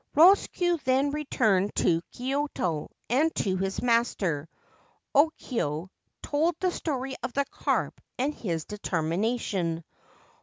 Rosetsu then returned to Kyoto, and to his master, Okyo, told the story of the carp and of his determination.